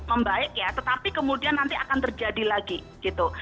membaik ya tetapi kemudian nanti akan terjadi lagi gitu